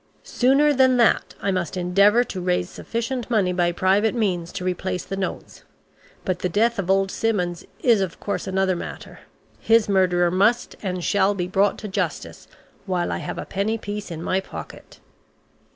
"Sooner than that I must endeavour to raise sufficient money by private means to replace the notes but the death of old Simmons is, of course, another matter. His murderer must and shall be brought to justice, while I have a penny piece in my pocket."